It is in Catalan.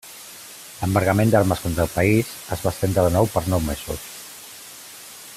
L'embargament d'armes contra el país es va estendre de nou per nou mesos.